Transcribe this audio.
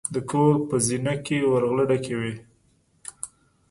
د کور په زینه کې ورغله ډکې وې.